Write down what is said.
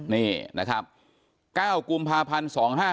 นี่นะครับ๙กุมภาพันธ์๒๕๕๙